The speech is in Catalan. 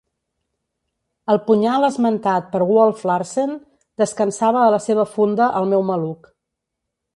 El punyal esmentat per Wolf Larsen descansava a la seva funda al meu maluc.